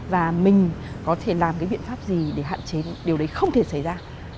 và mình có thể làm cái biện pháp gì để hạn chế điều đấy không thể xảy ra